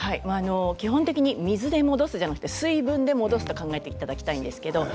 基本的に水ではなくて水分で戻すと考えていただきたいと思います。